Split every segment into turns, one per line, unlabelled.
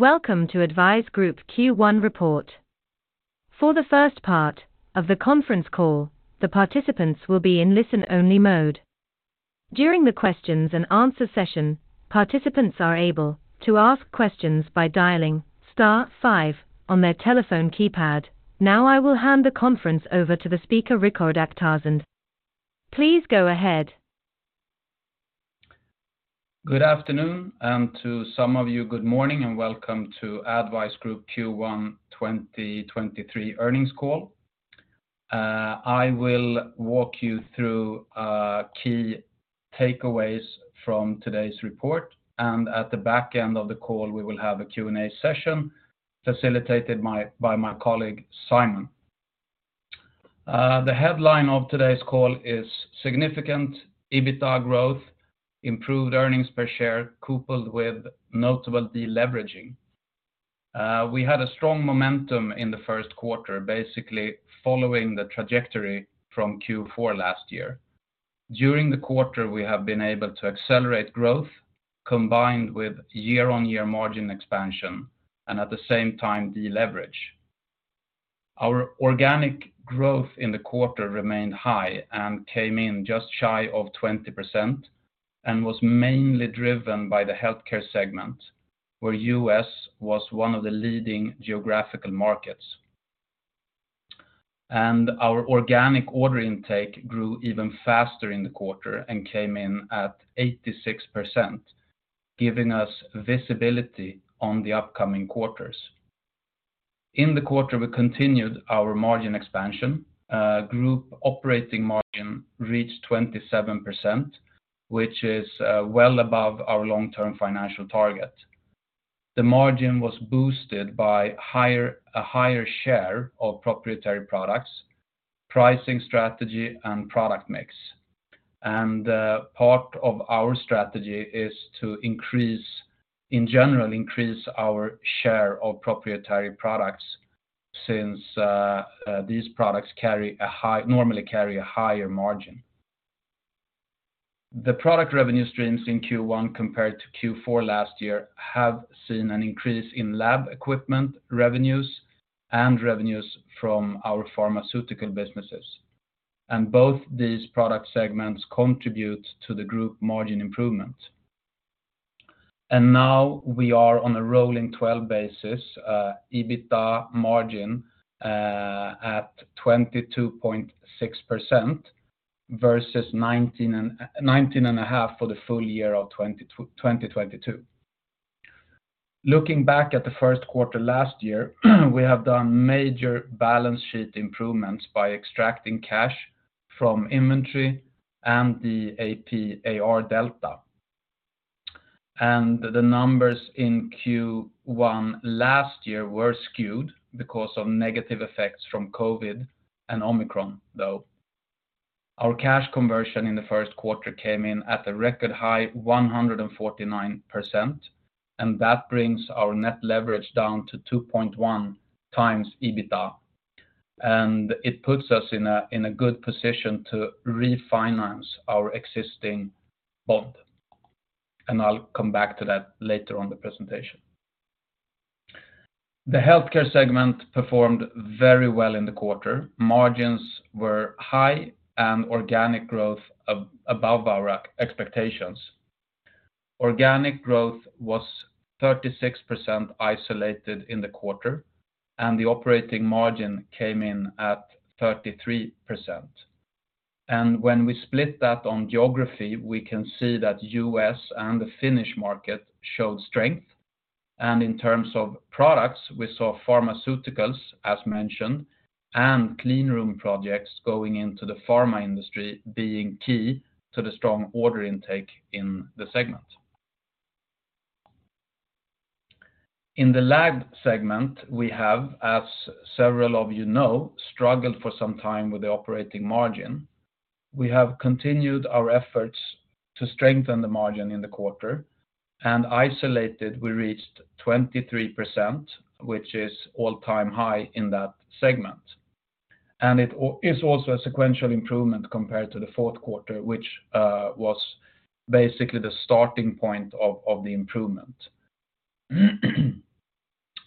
Welcome to ADDvise Group Q1 report. For the first part of the conference call, the participants will be in listen-only mode. During the questions and answer session, participants are able to ask questions by dialing star five on their telephone keypad. I will hand the conference over to the speaker, Rikard Akhtarzand. Please go ahead.
Good afternoon, and to some of you good morning, welcome to ADDvise Group Q1 2023 earnings call. I will walk you through key takeaways from today's report, and at the back end of the call, we will have a Q&A session facilitated by my colleague, Simon. The headline of today's call is Significant EBITDA Growth, Improved Earnings Per Share Coupled with Notable Deleveraging. We had a strong momentum in the first quarter, basically following the trajectory from Q4 last year. During the quarter, we have been able to accelerate growth combined with year-on-year margin expansion and at the same time deleverage. Our organic growth in the quarter remained high and came in just shy of 20% and was mainly driven by the healthcare segment, where US was one of the leading geographical markets. Our organic order intake grew even faster in the quarter and came in at 86%, giving us visibility on the upcoming quarters. In the quarter, we continued our margin expansion. Group operating margin reached 27%, which is, well above our long-term financial target. The margin was boosted by a higher share of proprietary products, pricing strategy and product mix. Part of our strategy is to in general, increase our share of proprietary products since, these products normally carry a higher margin. The product revenue streams in Q1 compared to Q4 last year have seen an increase in lab equipment revenues and revenues from our pharmaceutical businesses. Both these product segments contribute to the group margin improvement. Now we are on a rolling 12 basis EBITDA margin at 22.6% versus 19.5 for the full year of 2022. Looking back at the first quarter last year, we have done major balance sheet improvements by extracting cash from inventory and the AP/AR delta. The numbers in Q1 last year were skewed because of negative effects from COVID and Omicron, though. Our cash conversion in the first quarter came in at a record high 149%, and that brings our net leverage down to 2.1 times EBITDA. It puts us in a good position to refinance our existing bond. I'll come back to that later on the presentation. The healthcare segment performed very well in the quarter. Margins were high and organic growth above our expectations. Organic growth was 36% isolated in the quarter, and the operating margin came in at 33%. When we split that on geography, we can see that US and the Finnish market showed strength. In terms of products, we saw pharmaceuticals, as mentioned, and clean room projects going into the pharma industry being key to the strong order intake in the segment. In the lab segment, we have, as several of you know, struggled for some time with the operating margin. We have continued our efforts to strengthen the margin in the quarter and isolated we reached 23%, which is all-time high in that segment. It's also a sequential improvement compared to the fourth quarter, which was basically the starting point of the improvement.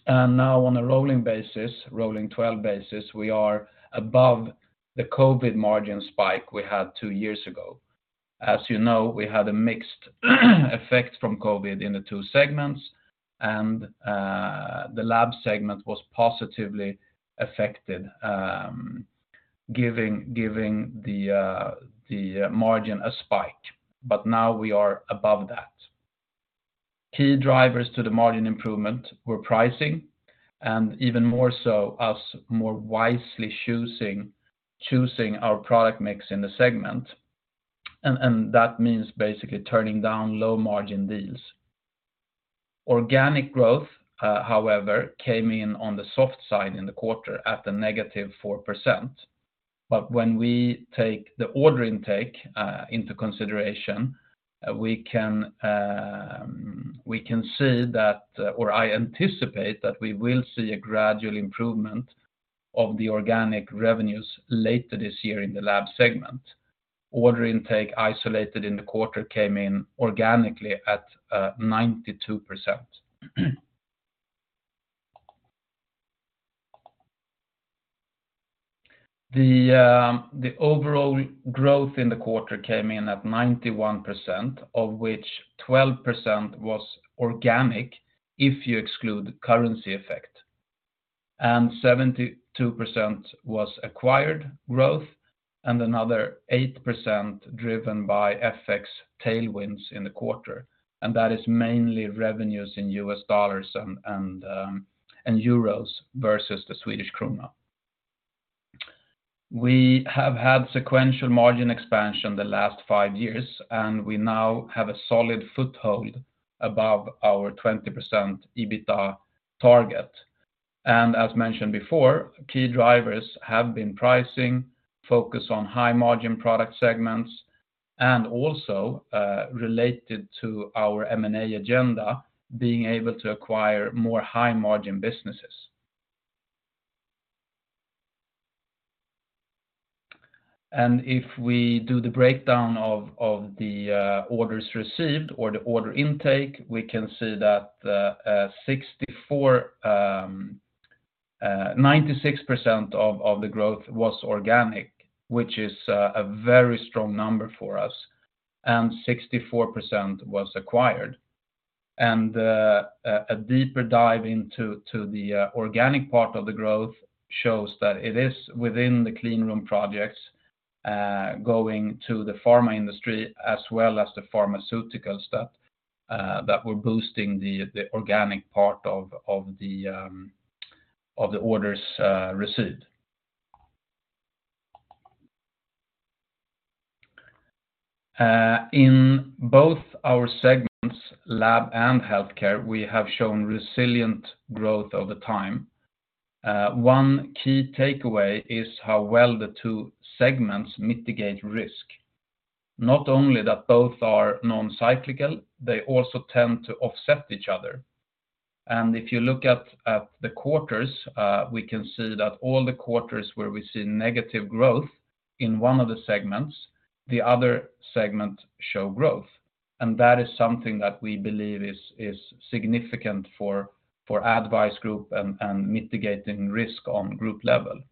now on a rolling basis, rolling 12 basis, we are above the COVID margin spike we had two years ago. As you know, we had a mixed effect from COVID in the two segments, the lab segment was positively affected, giving the margin a spike. now we are above that. Key drivers to the margin improvement were pricing and even more so us more wisely choosing our product mix in the segment. that means basically turning down low margin deals. Organic growth, however, came in on the soft side in the quarter at a negative 4%. When we take the order intake into consideration, we can see that, or I anticipate that we will see a gradual improvement of the organic revenues later this year in the lab segment. Order intake isolated in the quarter came in organically at 92%. The overall growth in the quarter came in at 91%, of which 12% was organic if you exclude currency effect. 72% was acquired growth, and another 8% driven by FX tailwinds in the quarter. That is mainly revenues in US dollars and euros versus the Swedish krona. We have had sequential margin expansion the last five years, and we now have a solid foothold above our 20% EBITDA target. As mentioned before, key drivers have been pricing, focus on high margin product segments, and also related to our M&A agenda, being able to acquire more high margin businesses. If we do the breakdown of the orders received or the order intake, we can see that 96% of the growth was organic, which is a very strong number for us, and 64% was acquired. A deeper dive into the organic part of the growth shows that it is within the clean room projects, going to the pharma industry as well as the pharmaceutical stuff that we're boosting the organic part of the orders received. In both our segments, lab and healthcare, we have shown resilient growth over time. One key takeaway is how well the two segments mitigate risk. Not only that both are non-cyclical, they also tend to offset each other. If you look at the quarters, we can see that all the quarters where we see negative growth in one of the segments, the other segment show growth. That is something that we believe is significant for ADDvise Group and mitigating risk on group level.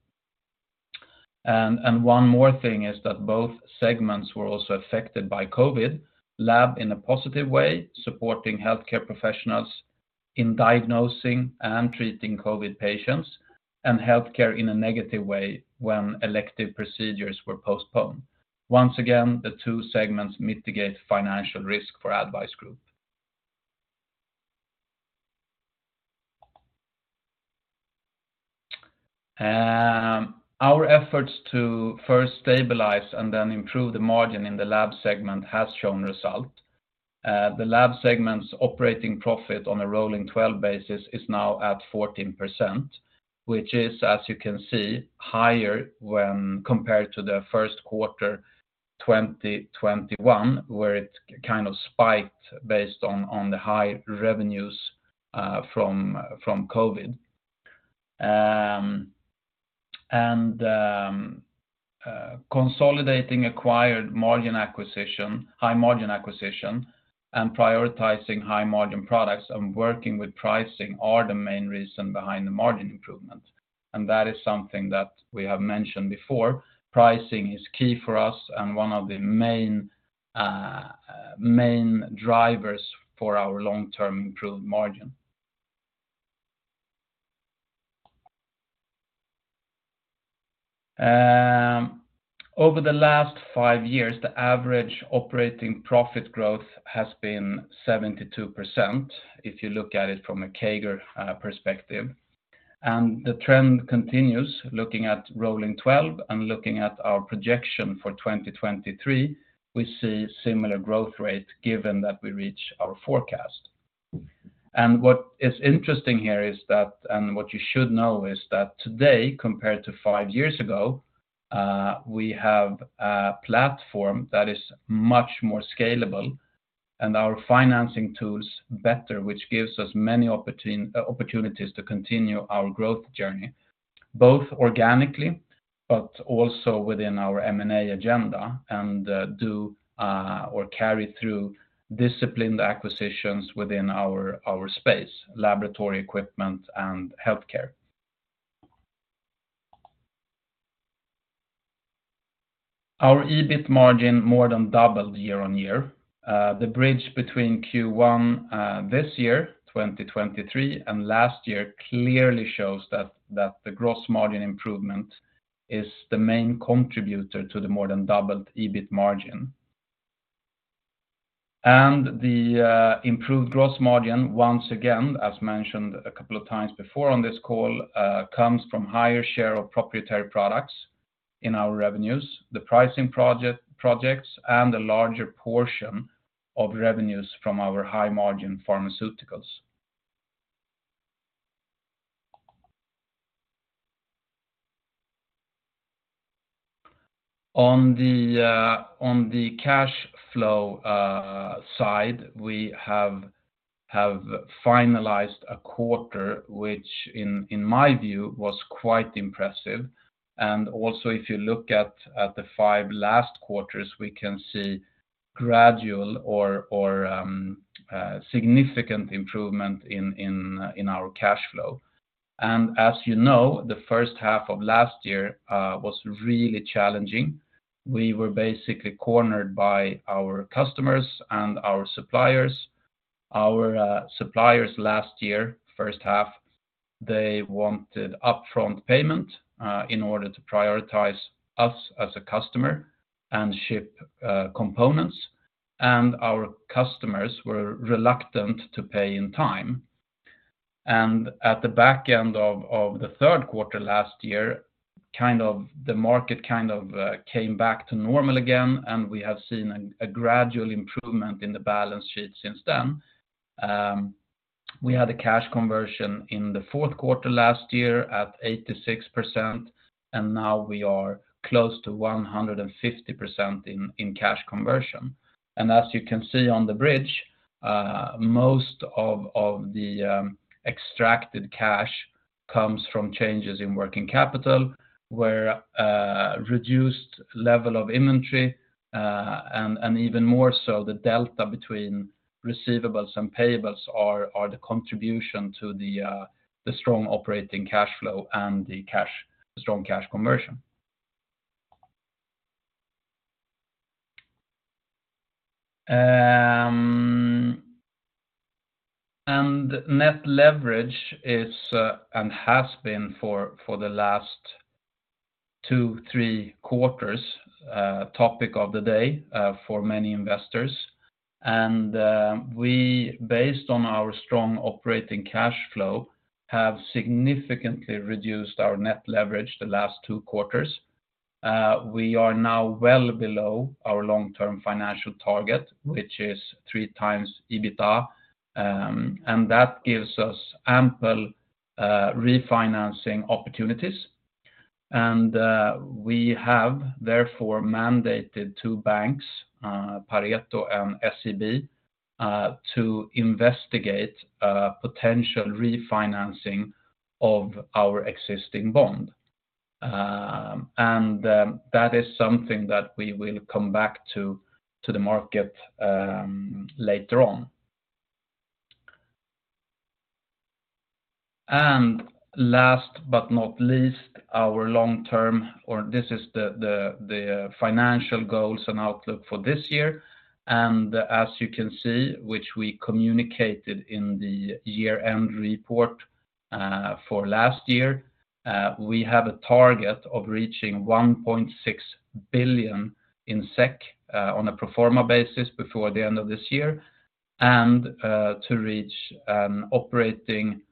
One more thing is that both segments were also affected by COVID, lab in a positive way, supporting healthcare professionals in diagnosing and treating COVID patients, and healthcare in a negative way when elective procedures were postponed. Once again, the two segments mitigate financial risk for ADDvise Group. Our efforts to first stabilize and then improve the margin in the lab segment has shown result. The lab segment's operating profit on a rolling 12 basis is now at 14%, which is, as you can see, higher when compared to the first quarter 2021, where it kind of spiked based on the high revenues from COVID. Consolidating acquired margin acquisition, high margin acquisition, and prioritizing high margin products and working with pricing are the main reason behind the margin improvement. That is something that we have mentioned before. Pricing is key for us and one of the main drivers for our long-term improved margin. Over the last five years, the average operating profit growth has been 72%, if you look at it from a CAGR perspective. The trend continues looking at rolling 12 and looking at our projection for 2023, we see similar growth rate given that we reach our forecast. What is interesting here is that, and what you should know is that today, compared to five years ago, we have a platform that is much more scalable and our financing tools better, which gives us many opportunities to continue our growth journey, both organically but also within our M&A agenda and do or carry through disciplined acquisitions within our space, laboratory equipment and healthcare. Our EBIT margin more than doubled year on year. The bridge between Q1 this year, 2023, and last year clearly shows that the gross margin improvement is the main contributor to the more than doubled EBIT margin. The improved gross margin, once again, as mentioned a couple of times before on this call, comes from higher share of proprietary products in our revenues, the pricing projects, and a larger portion of revenues from our high margin pharmaceuticals. On the on the cash flow side, we have finalized a quarter which in my view was quite impressive. Also if you look at the five last quarters, we can see gradual or significant improvement in our cash flow. As you know, the first half of last year was really challenging. We were basically cornered by our customers and our suppliers. Our suppliers last year, first half, they wanted upfront payment in order to prioritize us as a customer and ship components, and our customers were reluctant to pay in time. At the back end of the third quarter last year, kind of the market kind of came back to normal again, we have seen a gradual improvement in the balance sheet since then. We had a cash conversion in the fourth quarter last year at 86%. Now we are close to 150% in cash conversion. As you can see on the bridge, most of the extracted cash comes from changes in working capital, where a reduced level of inventory, and even more so the delta between receivables and payables are the contribution to the strong operating cash flow and the strong cash conversion. Net leverage is and has been for the last two, three quarters, topic of the day, for many investors. We based on our strong operating cash flow, have significantly reduced our net leverage the last two quarters. We are now well below our long-term financial target, which is three times EBITA, and that gives us ample refinancing opportunities. We have therefore mandated two banks, Pareto and SEB, to investigate a potential refinancing of our existing bond. That is something that we will come back to the market, later on. Last but not least, our long-term, or this is the financial goals and outlook for this year. As you can see, which we communicated in the year-end report for last year, we have a target of reaching 1.6 billion on a pro forma basis before the end of this year, and to reach an operating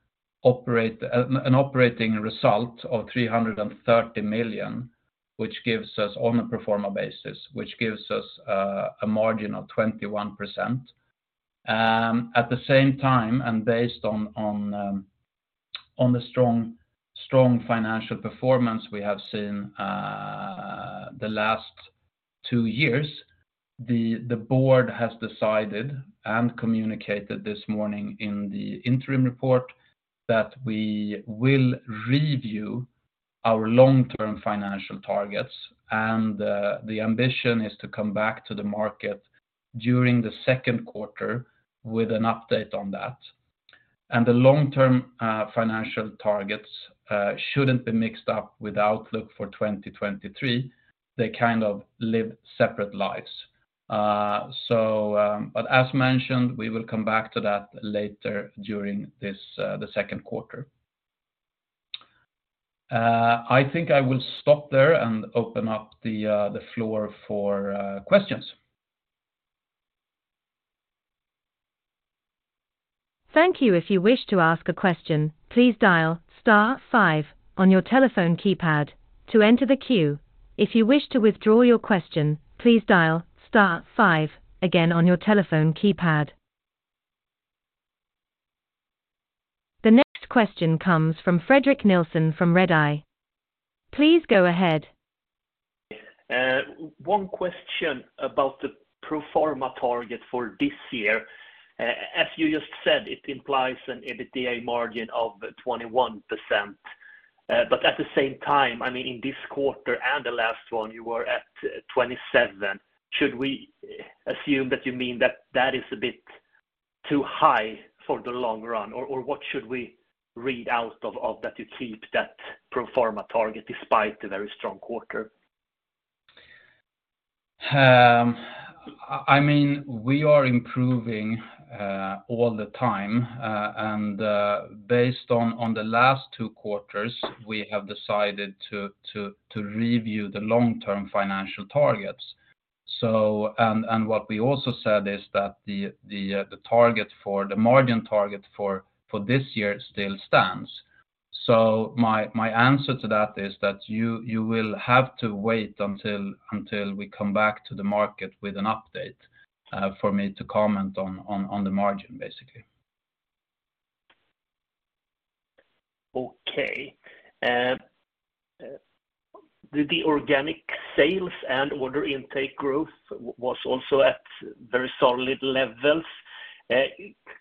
result of 330 million, which gives us on a pro forma basis, which gives us a margin of 21%. At the same time, and based on the strong financial performance we have seen the last two years, the board has decided and communicated this morning in the interim report that we will review our long-term financial targets. The ambition is to come back to the market during the second quarter with an update on that. The long-term financial targets shouldn't be mixed up with outlook for 2023. They kind of live separate lives. As mentioned, we will come back to that later during this the second quarter. I think I will stop there and open up the floor for questions.
Thank you. If you wish to ask a question, please dial star five on your telephone keypad to enter the queue. If you wish to withdraw your question, please dial star five again on your telephone keypad. The next question comes from Fredrik Nilsson from Redeye. Please go ahead.
One question about the pro forma target for this year. As you just said, it implies an EBITDA margin of 21%. At the same time, I mean, in this quarter and the last one, you were at 27%. Should we assume that you mean that that is a bit too high for the long run? Or what should we read out of that you keep that pro forma target despite the very strong quarter?
I mean, we are improving all the time, and based on the last two quarters, we have decided to review the long-term financial targets. And what we also said is that the target for the margin target for this year still stands. My answer to that is that you will have to wait until we come back to the market with an update for me to comment on the margin, basically.
Okay. the organic sales and order intake growth was also at very solid levels.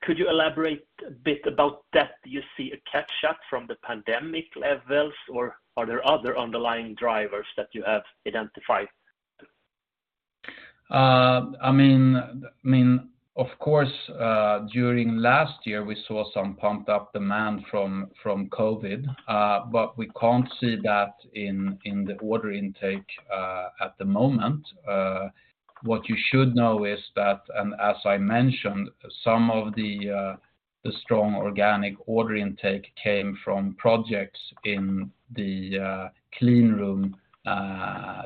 Could you elaborate a bit about that? Do you see a catch-up from the pandemic levels, or are there other underlying drivers that you have identified?
I mean, of course, during last year, we saw some pumped up demand from COVID, but we can't see that in the order intake at the moment. What you should know is that, and as I mentioned, some of the strong organic order intake came from projects in the clean room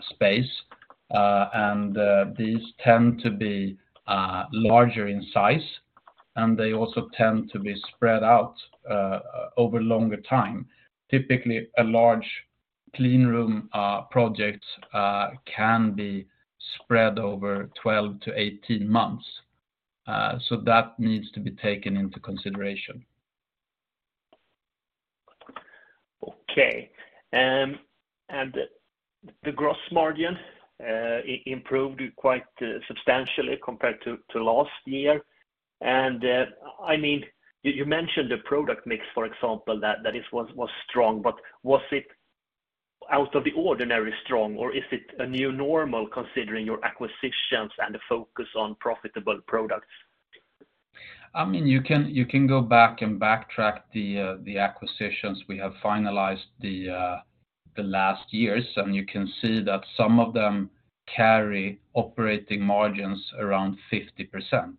space. These tend to be larger in size, and they also tend to be spread out over longer time. Typically, a large clean room project can be spread over 12-18 months. That needs to be taken into consideration.
Okay. The gross margin improved quite substantially compared to last year. I mean, you mentioned the product mix, for example, that was strong, but was it out of the ordinary strong, or is it a new normal considering your acquisitions and the focus on profitable products?
I mean, you can go back and backtrack the acquisitions we have finalized the last years, and you can see that some of them carry operating margins around 50%.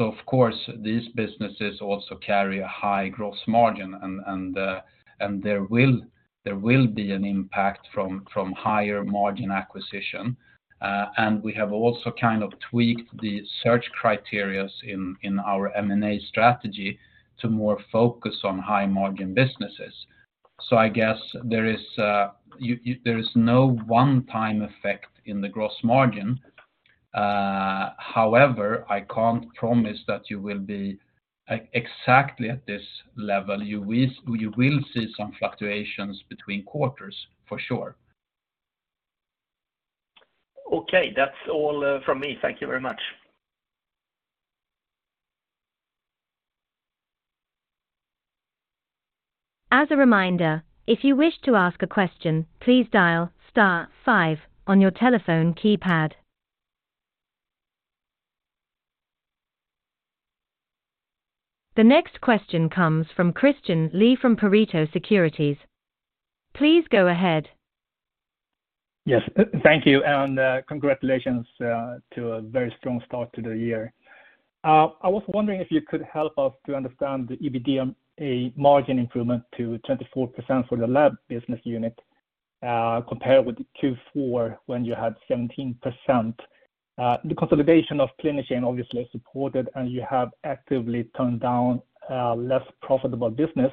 Of course, these businesses also carry a high gross margin and there will be an impact from higher margin acquisition. We have also kind of tweaked the search criteria in our M&A strategy to more focus on high margin businesses. I guess there is you there is no one-time effect in the gross margin. However, I can't promise that you will be exactly at this level. You will see some fluctuations between quarters for sure.
Okay. That's all from me. Thank you very much.
As a reminder, if you wish to ask a question, please dial star five on your telephone keypad. The next question comes from Christian Lee from Pareto Securities. Please go ahead.
Yes. Thank you, congratulations to a very strong start to the year. I was wondering if you could help us to understand the EBITDA margin improvement to 24% for the lab business unit compared with the Q4 when you had 17%. The consolidation of CliniChain obviously supported, you have actively turned down less profitable business.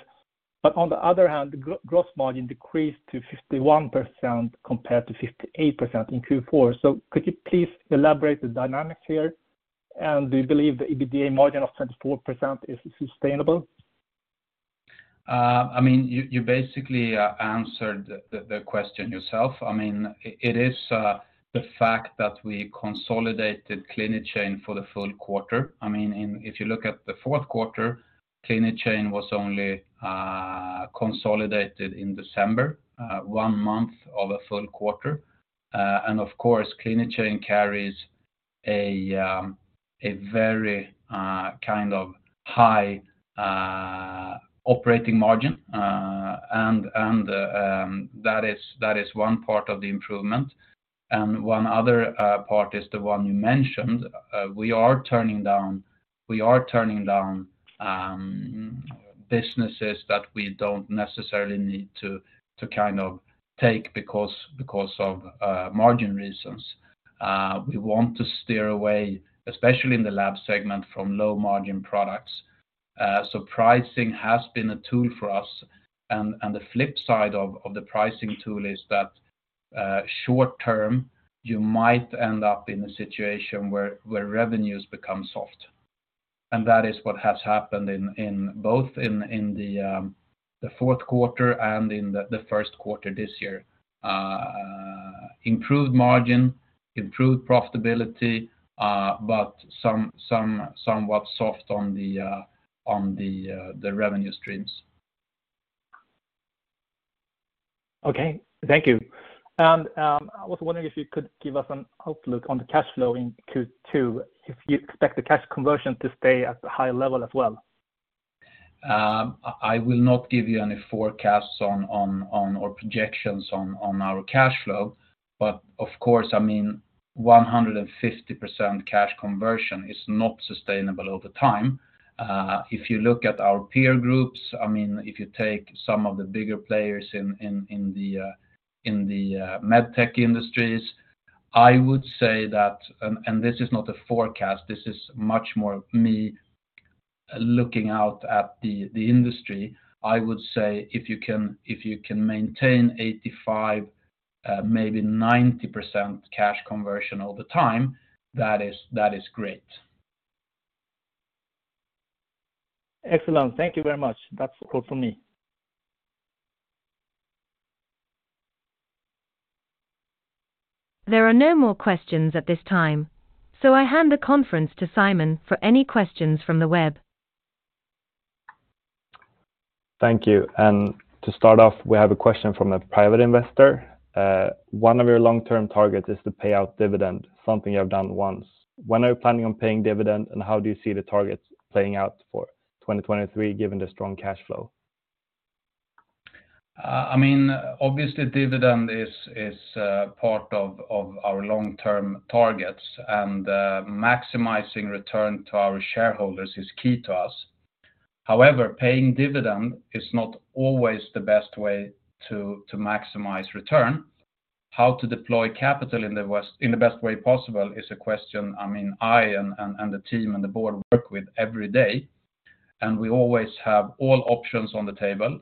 On the other hand, the gross margin decreased to 51% compared to 58% in Q4. Could you please elaborate the dynamics here? Do you believe the EBITDA margin of 24% is sustainable?
I mean, you basically answered the question yourself. I mean, it is the fact that we consolidated CliniChain for the full quarter. I mean, if you look at the fourth quarter, CliniChain was only consolidated in December, one month of a full quarter. Of course, CliniChain carries a very kind of high operating margin. That is one part of the improvement. One other part is the one you mentioned. We are turning down businesses that we don't necessarily need to kind of take because of margin reasons. We want to steer away, especially in the lab segment, from low margin products. Pricing has been a tool for us and the flip side of the pricing tool is that, short term, you might end up in a situation where revenues become soft. That is what has happened in both in the fourth quarter and in the first quarter this year. Improved margin, improved profitability, but some somewhat soft on the revenue streams.
Okay. Thank you. I was wondering if you could give us an outlook on the cash flow in Q2, if you expect the cash conversion to stay at a high level as well?
I will not give you any forecasts on or projections on our cash flow. Of course, I mean, 150% cash conversion is not sustainable over time. If you look at our peer groups, I mean, if you take some of the bigger players in the MedTech industries, I would say that, this is not a forecast, this is much more me looking out at the industry. I would say if you can maintain 85, maybe 90% cash conversion all the time, that is great.
Excellent. Thank you very much. That's all for me.
There are no more questions at this time. I hand the conference to Simon for any questions from the web.
Thank you. To start off, we have a question from a private investor. One of your long-term targets is to pay out dividend, something you have done once. When are you planning on paying dividend, and how do you see the targets playing out for 2023, given the strong cash flow?
I mean, obviously, dividend is part of our long-term targets. Maximizing return to our shareholders is key to us. However, paying dividend is not always the best way to maximize return. How to deploy capital in the best way possible is a question, I mean, I and the team and the board work with every day. We always have all options on the table,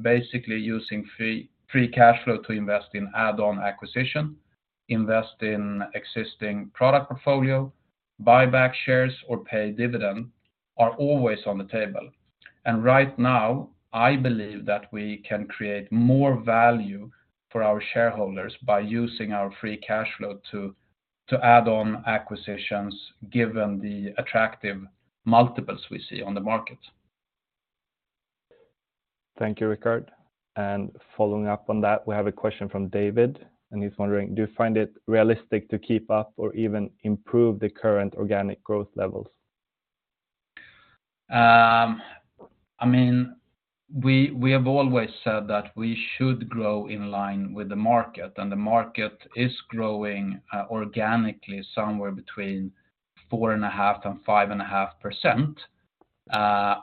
basically using free cash flow to invest in add-on acquisition, invest in existing product portfolio, buy back shares or pay dividend are always on the table. Right now, I believe that we can create more value for our shareholders by using our free cash flow to add on acquisitions given the attractive multiples we see on the market.
Thank you, Rickard. Following up on that, we have a question from David, and he's wondering, do you find it realistic to keep up or even improve the current organic growth levels?
I mean, we have always said that we should grow in line with the market, and the market is growing organically somewhere between 4.5% and 5.5%.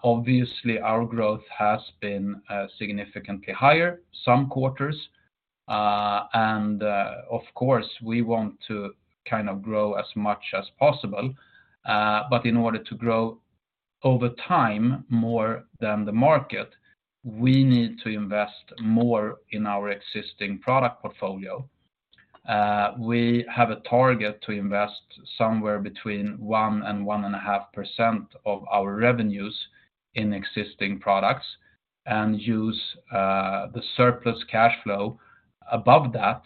Obviously, our growth has been significantly higher some quarters. Of course, we want to kind of grow as much as possible. In order to grow over time more than the market, we need to invest more in our existing product portfolio. We have a target to invest somewhere between 1% and 1.5% of our revenues in existing products and use the surplus cash flow above that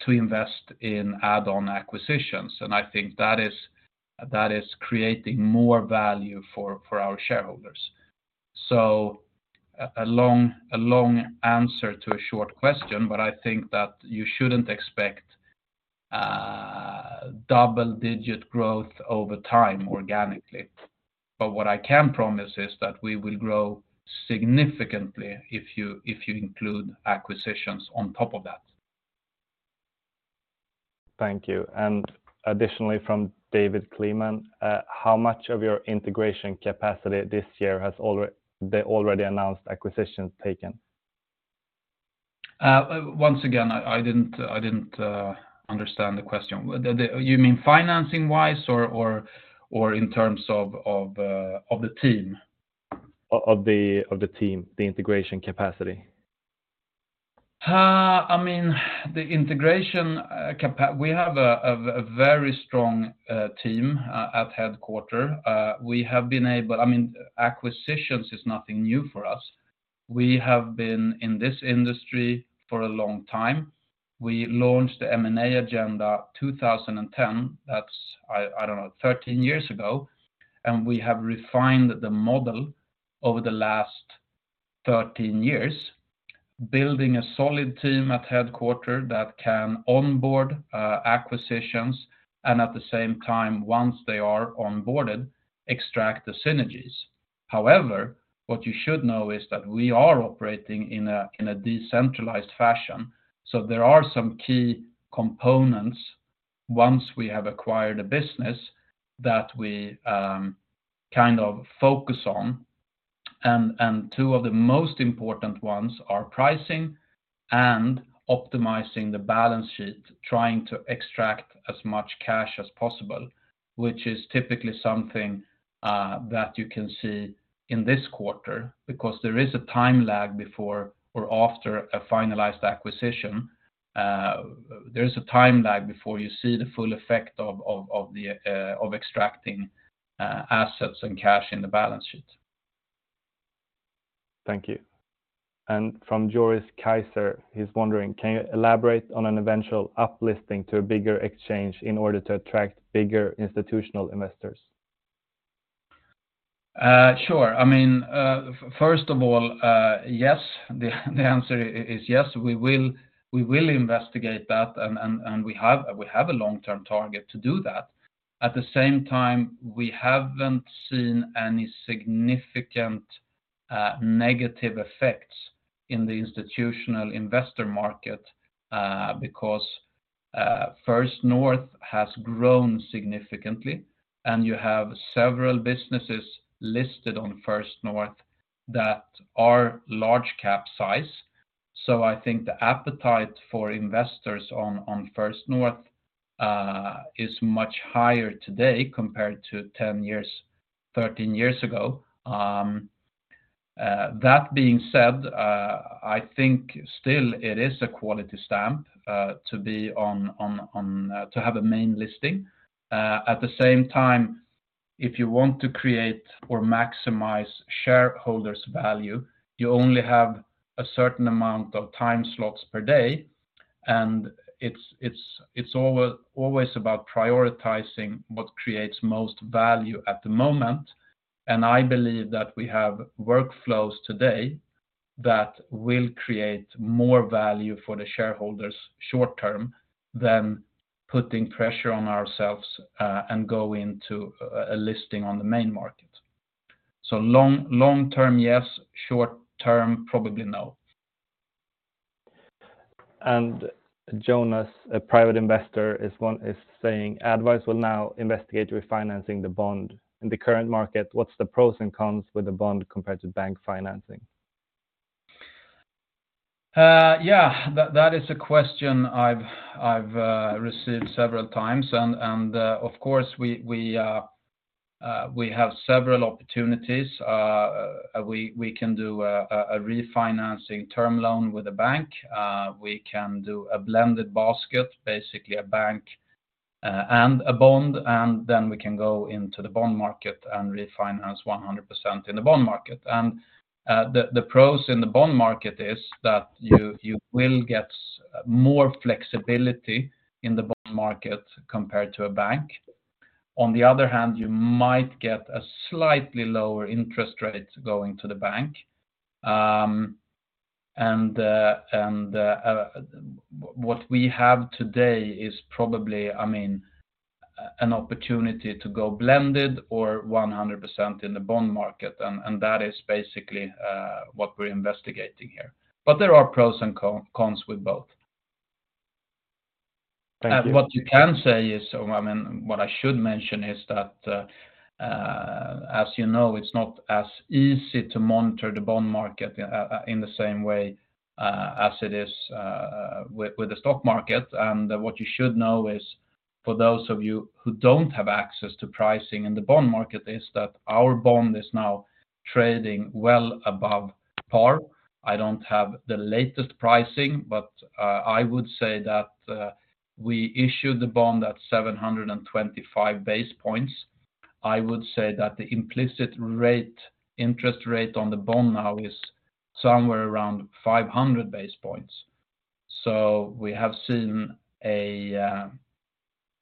to invest in add-on acquisitions. I think that is creating more value for our shareholders. A long answer to a short question, but I think that you shouldn't expect double-digit growth over time organically. What I can promise is that we will grow significantly if you, if you include acquisitions on top of that.
Thank you. Additionally from David Kleeman, how much of your integration capacity this year has the already announced acquisitions taken?
Once again, I didn't understand the question. You mean financing-wise or in terms of the team?
Of the team, the integration capacity.f
I mean, the integration. We have a very strong team at headquarter. We have been able. I mean, acquisitions is nothing new for us. We have been in this industry for a long time. We launched the M&A agenda 2010. That's, I don't know, 13 years ago. We have refined the model over the last 13 years, building a solid team at headquarter that can onboard acquisitions and at the same time, once they are onboarded, extract the synergies. However, what you should know is that we are operating in a decentralized fashion. There are some key components once we have acquired a business that we kind of focus on. Two of the most important ones are pricing and optimizing the balance sheet, trying to extract as much cash as possible, which is typically something that you can see in this quarter because there is a time lag before or after a finalized acquisition. There is a time lag before you see the full effect of the of extracting assets and cash in the balance sheet.
Thank you. From Joris Keijser, he's wondering, can you elaborate on an eventual uplisting to a bigger exchange in order to attract bigger institutional investors?
Sure. I mean, first of all, yes. The answer is yes. We will investigate that, and we have a long-term target to do that. At the same time, we haven't seen any significant negative effects in the institutional investor market, because First North has grown significantly, and you have several businesses listed on First North that are large cap size. I think the appetite for investors on First North is much higher today compared to 10 years, 13 years ago. That being said, I think still it is a quality stamp to be on to have a main listing. At the same time, if you want to create or maximize shareholders value, you only have a certain amount of time slots per day, and it's always about prioritizing what creates most value at the moment. I believe that we have workflows today that will create more value for the shareholders short term than putting pressure on ourselves and go into a listing on the main market. Long, long term, yes. Short term, probably no.
Jonas, a private investor, is saying ADDvise will now investigate refinancing the bond. In the current market, what's the pros and cons with the bond compared to bank financing?
Yeah. That is a question I've received several times and of course, we have several opportunities. We can do a refinancing term loan with a bank. We can do a blended basket, basically a bank and a bond, and then we can go into the bond market and refinance 100% in the bond market. The pros in the bond market is that you will get more flexibility in the bond market compared to a bank. On the other hand, you might get a slightly lower interest rate going to the bank. And what we have today is probably, I mean, an opportunity to go blended or 100% in the bond market. That is basically what we're investigating here. There are pros and cons with both.
Thank you.
What you can say is, or, I mean, what I should mention is that, as you know, it's not as easy to monitor the bond market in the same way, as it is, with the stock market. What you should know is, for those of you who don't have access to pricing in the bond market, is that our bond is now trading well above par. I don't have the latest pricing, but, I would say that, we issued the bond at 725 basis points. I would say that the implicit rate, interest rate on the bond now is somewhere around 500 basis points. We have seen a,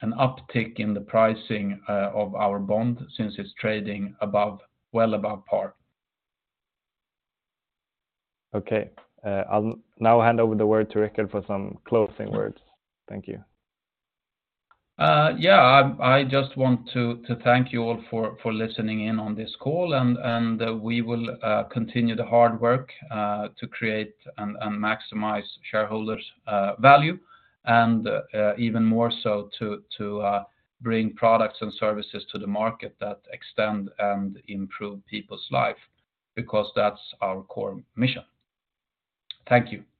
an uptick in the pricing, of our bond since it's trading above, well above par.
Okay. I'll now hand over the word to Rickard for some closing words. Thank you.
Yeah. I just want to thank you all for listening in on this call, and we will continue the hard work to create and maximize shareholders' value, and even more so to bring products and services to the market that extend and improve people's life, because that's our core mission. Thank you.